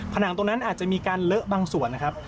ผนังตรงนั้นอาจจะมีการเลอะบางส่วนนะครับ